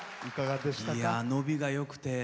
伸びがよくて。